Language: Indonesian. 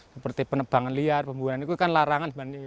seperti penebangan liar pemburuan itu kan larangan sebenarnya ya